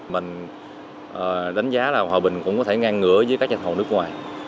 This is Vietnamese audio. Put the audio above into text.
mình đánh giá là hòa bình cũng có thể ngang ngửa với các nhà thầu nước ngoài